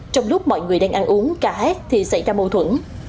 trong lúc mọi người đang ăn uống cà hét thì xảy ra mâu thuẫn